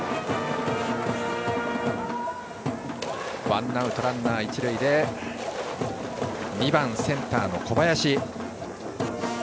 ワンアウトランナー、一塁で２番センターの小林。